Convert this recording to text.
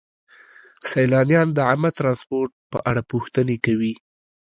سیلانیان د عامه ترانسپورت په اړه پوښتنې کوي.